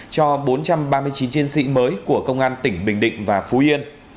cho bốn trăm ba mươi chín chiến sĩ mới của công an tỉnh bình định và phú yên